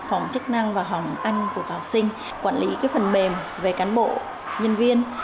phòng chức năng và phòng ăn của các học sinh quản lý phần mềm về cán bộ nhân viên